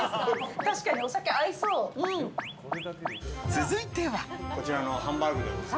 続いては。